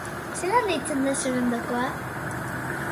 Zelan deitzen da zure ondokoa?